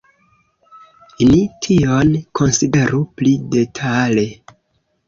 Ni tion konsideru pli detale.